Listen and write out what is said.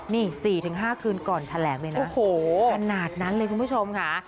นี่๔๕คืนก่อนแถลงเลยนะโอ้โหขนาดนั้นเลยคุณผู้ชมค่ะ